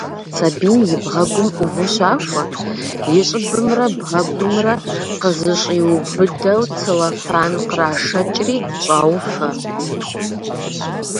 Сабийм и бгъэгум ӏуву щахуэ, и щӏыбымрэ бгъэгумрэ къызэщӏиубыдэу целлофан кърашэкӏри, щӏауфэ.